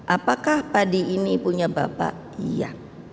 apakah padi ini punya bapak iya